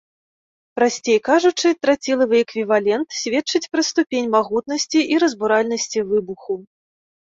Прасцей кажучы, трацілавы эквівалент сведчыць пра ступень магутнасці і разбуральнасці выбуху.